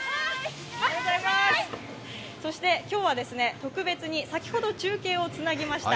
今日は特別に先ほど中継をつなぎました